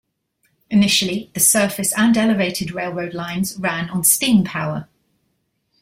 Initially the surface and elevated railroad lines ran on steam power.